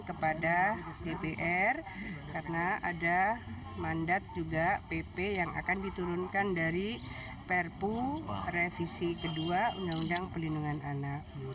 kepada dpr karena ada mandat juga pp yang akan diturunkan dari perpu revisi kedua undang undang pelindungan anak